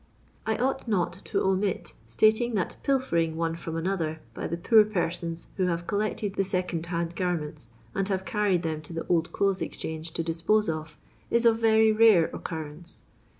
I ought not to omit stating that pilfering one from another by the poor persons who hare col lected the second hand garments, and have carried them to the Old Clothes Exchange to dispose of, is of very rare occurrence.